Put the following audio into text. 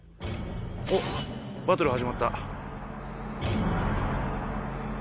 おっバトル始まった。